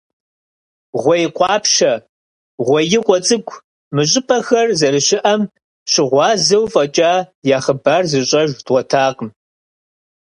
«Гъуей къуапщэ», «Гъуеикъуэ цӀыкӀу» – мы щӀыпӀэхэр зэрыщыӀэм щыгъуазэу фӀэкӀа, я хъыбар зыщӀэж дгъуэтакъым.